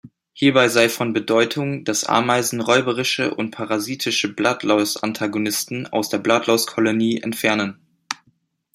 Hierbei sei von Bedeutung, dass Ameisen räuberische und parasitische Blattlaus-Antagonisten aus der Blattlaus-Kolonie entfernen.